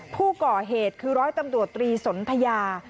ผู้ก่อเหตุคือร้อยตำรวจตรีสนทยา